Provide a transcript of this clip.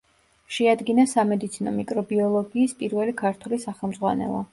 შეადგინა სამედიცინო მიკრობიოლოგიის პირველი ქართული სახელმძღვანელო.